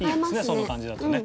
その感じだとね。